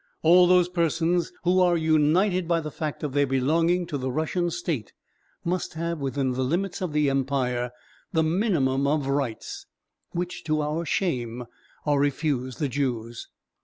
All those persons who are united by the fact of their belonging to the Russian state must have, within the limits of the empire, the minimum of rights, which, to our shame, are refused the Jews.